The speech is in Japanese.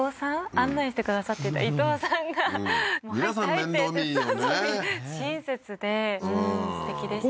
案内してくださってた伊藤さんが皆さん面倒見いいよね親切ですてきでしたね